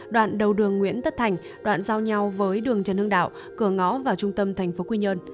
đoạn đầu đường nguyễn tất thành đoạn giao nhau với đường trần hương đạo cửa ngõ vào trung tâm tp quy nhơn